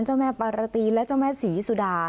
เจ้าแม่ปารตีและเจ้าแม่ศรีสุดา